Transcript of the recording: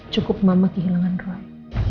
cukup mama kehilangan rory